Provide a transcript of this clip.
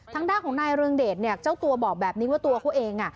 ทางด้านของนายเรืองเดชเนี่ยเจ้าตัวบอกแบบนี้ว่าตัวเขาเอง